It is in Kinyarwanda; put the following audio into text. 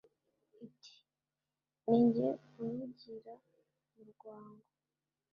Iti: ni jye warugira mu rwango,